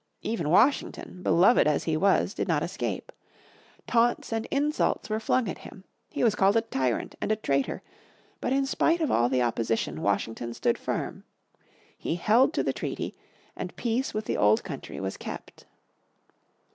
Even Washington, beloved as he was, did not escape. Taunts and insults were flung at him. He was called a tyrant and a traitor, but in spite of all the opposition Washington stood firm. He held to the treaty, and peace with the old country was kept.